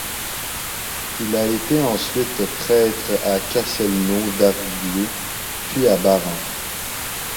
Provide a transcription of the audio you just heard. Il a été ensuite prêtre à Castelnau-d'Arbieu puis à Barran.